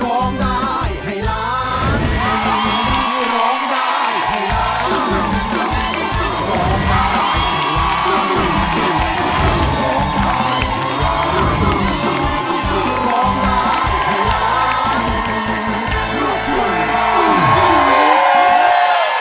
หลุกทุ่งสู้ชีวิต